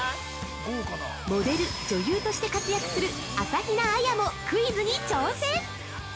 ◆モデル、女優として活躍する朝比奈彩もクイズに挑戦。